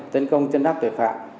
tấn công chân áp tội phạm